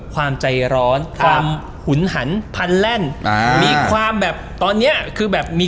ความใจร้อนความหุนหันพันแล่นอ่ามีความแบบตอนเนี้ยคือแบบมี